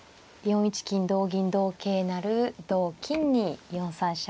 ４一金同銀同桂成同金に４三飛車。